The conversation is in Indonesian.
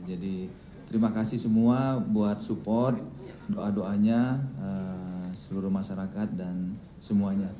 jadi terima kasih semua buat support doa doanya seluruh masyarakat dan semuanya